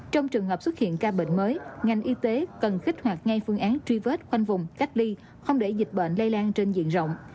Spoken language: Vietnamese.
trong trường hợp xuất hiện ca bệnh mới ngành y tế cần kích hoạt ngay phương án truy vết khoanh vùng cách ly không để dịch bệnh lây lan trên diện rộng